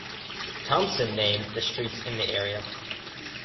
Thompson named the streets in the area.